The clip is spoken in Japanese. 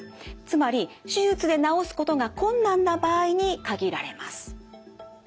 つまり手術で治すことが困難な場合に限られます。